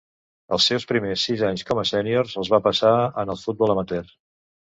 Els seus primers sis anys com a sènior els va passar en el futbol amateur.